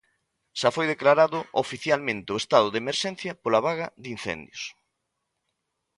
Xa foi declarado oficialmente o estado de emerxencia pola vaga de incendios.